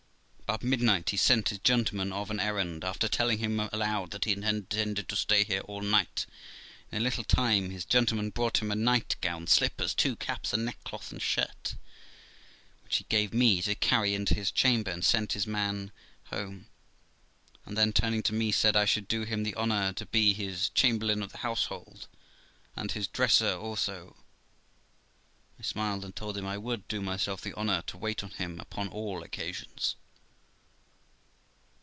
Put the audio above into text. About midnight he sent his gentleman of an errand, after telling him aloud that he intended to stay here all night. In a little time his gentle man brought him a nightgown, slippers, two caps, a neckcloth, and shirt, which he gave me to carry into his chamber, and sent his man home; and then, turning to me, said I should do him the honour to be his cham berlain of the household, and his dresser also. I smiled, and told him I would do myself the honour to wait on him upon all occasions.